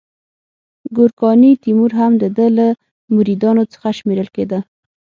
ګورکاني تیمور هم د ده له مریدانو څخه شمیرل کېده.